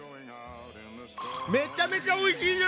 めちゃめちゃおいしいじゃない！